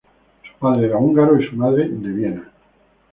Su padre era húngaro y su madre de Viena.